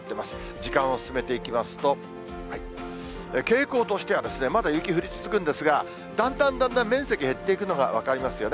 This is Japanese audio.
時間を進めていきますと、傾向としてはまだ雪降り続くんですが、だんだんだんだん面積減っていくのが分かりますよね。